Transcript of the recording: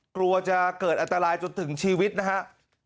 กลัวจะเกิดอันตรายจนถึงชีวิตนะฮะ